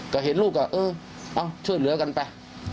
ก็เห็นลูกก็เออเอาช่วยเหลือกันไป